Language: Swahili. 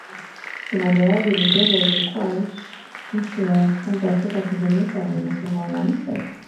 Ingawaje Liberia ilikuwa nchi ya kwanza Afrika kumchagua rais mwanamke